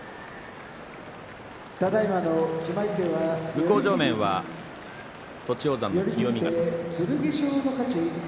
向正面は栃煌山の清見潟さんです。